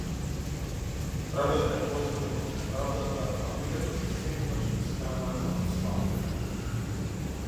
Правдата е посилна од неправдата, а луѓето се секогаш на страната на послабиот.